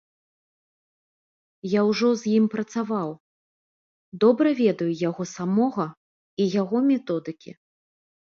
Я ўжо з ім працаваў, добра ведаю яго самога і яго методыкі.